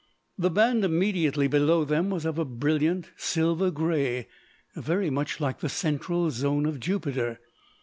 The band immediately below them was of a brilliant silver grey, very much like the central zone of Jupiter.